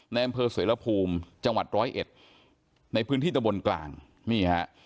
ในอำเภอเสรภูมิจังหวัดร้อยเอ็ดในพื้นที่ตะบนกลางนี่ฮะ